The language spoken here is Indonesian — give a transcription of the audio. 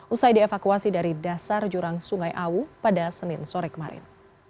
usai dievakuasi dari dasar jurang sungai awu pada senin sore kemarin